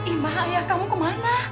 ima ayah kamu kemana